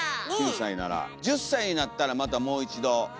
１０歳になったらまたもう一度。